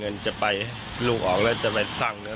มีรู้สึกที่เขาอยู่ที่อกทองสนา